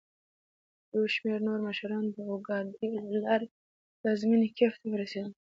یوشمیرنورمشران داورګاډي له لاري پلازمېني کېف ته ورسېدل.